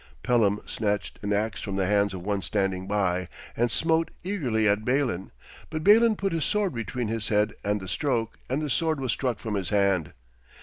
Pellam snatched an axe from the hands of one standing by, and smote eagerly at Balin; but Balin put his sword between his head and the stroke, and the sword was struck from his hand.